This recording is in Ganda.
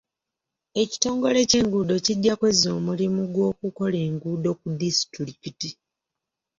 Ekitongole ky'enguudo kijja kwezza omulimu gw'okukola enguudo ku disitulikiti.